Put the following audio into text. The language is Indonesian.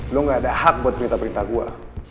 lo gak ada hak buat perintah perintah gua